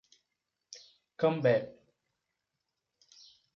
Cambé